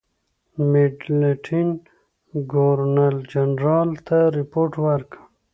میډلټن ګورنرجنرال ته رپوټ ورکړ.